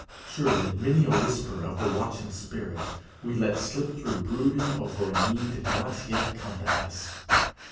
Surely many a whisper of the watching Spirit we let slip through brooding over a need not yet come to us!